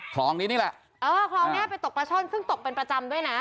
คลองนี้นี่แหละ